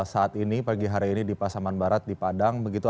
saat ini pagi hari ini di pasaman barat di padang begitu